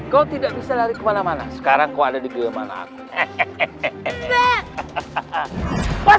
kau tidak bisa lari kemana mana sekarang kau ada di diri mana aku hehehehe